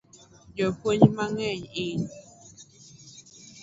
Jopuonj mang'eny hin